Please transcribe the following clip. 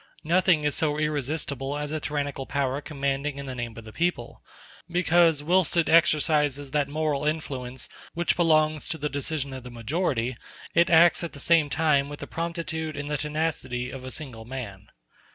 Nothing is so irresistible as a tyrannical power commanding in the name of the people, because, whilst it exercises that moral influence which belongs to the decision of the majority, it acts at the same time with the promptitude and the tenacity of a single man.